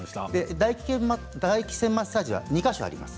唾液腺マッサージは２か所あります。